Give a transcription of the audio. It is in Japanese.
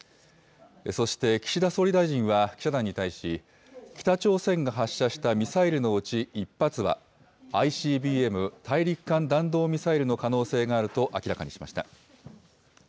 そして、岸田総理大臣は記者団に対し、北朝鮮が発射したミサイルのうち１発は、ＩＣＢＭ・大陸間弾道ミサイルの可能性があると明らかにしました。